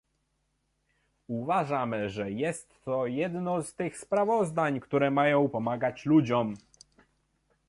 Uważam, że jest to jedno z tych sprawozdań, które mają pomagać ludziom